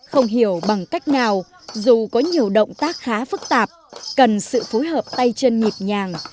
không hiểu bằng cách nào dù có nhiều động tác khá phức tạp cần sự phối hợp tay chân nhịp nhàng